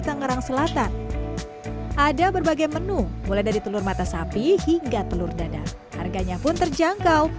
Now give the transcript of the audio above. tangerang selatan ada berbagai menu mulai dari telur mata sapi hingga telur dada harganya pun terjangkau